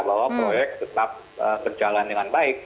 bahwa proyek tetap berjalan dengan baik